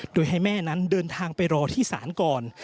โดยให้แม่นั้นเดินทางไปรอที่ศาลก่อน